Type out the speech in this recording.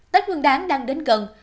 tết nguyên đáng đang đến gần